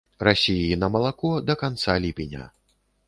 Расіі на малако да канца ліпеня.